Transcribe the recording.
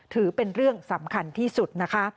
ถือเป็นเรื่องสำคัญที่สุดนะคะ